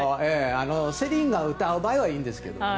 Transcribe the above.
セリーヌが歌う場合はいいんですけどね。